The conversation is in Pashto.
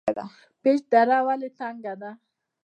پیج دره ولې تنګه ده؟